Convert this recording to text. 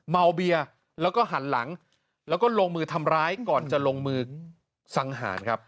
เมาเบียร์แล้วก็หันหลังแล้วก็ลงมือทำร้ายก่อนจะลงมือสังหารครับ